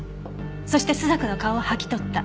「そして朱雀の顔を剥ぎ取った」